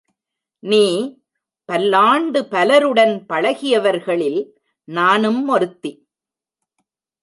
நீ, பல்லாண்டு பலருடன் பழகியவர்களில் நானும் ஒருத்தி.